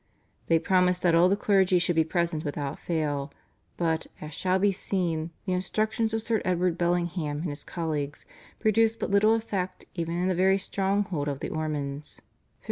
They promised that all the clergy should be present without fail, but, as shall be seen, the instructions of Sir Edward Bellingham and his colleagues produced but little effect even in the very stronghold of the Ormonds (1549).